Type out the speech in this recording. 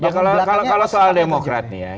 kalau soal demokrat nih ya